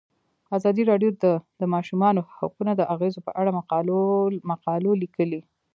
ازادي راډیو د د ماشومانو حقونه د اغیزو په اړه مقالو لیکلي.